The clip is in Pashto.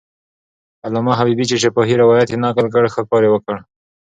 علامه حبیبي چې شفاهي روایت یې نقل کړ، ښه کار یې وکړ.